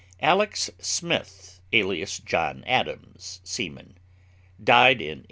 ALEX. SMITH, alias John Adams, seaman, died in 1829.